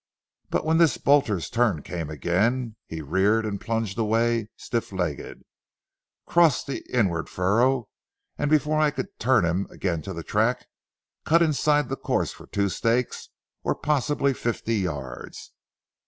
But when this bolter's turn came again, he reared and plunged away stiff legged, crossed the inward furrow, and before I could turn him again to the track, cut inside the course for two stakes or possibly fifty yards.